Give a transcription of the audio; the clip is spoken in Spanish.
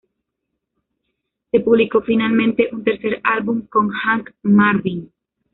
Se publicó finalmente un tercer álbum con Hank Marvin.